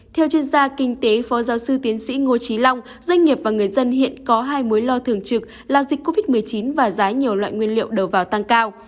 theo chuyên gia kinh tế phó giáo sư tiến sĩ ngô trí long doanh nghiệp và người dân hiện có hai mối lo thường trực là dịch covid một mươi chín và giá nhiều loại nguyên liệu đầu vào tăng cao